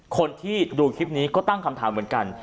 คนที่ดูคลิปนี้ก็ตั้งคำถามเหมือนกัน